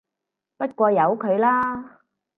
不過由佢啦